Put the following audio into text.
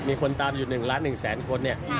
มีคนตามอยู่๑ล้าน๑แสนคนเนี่ย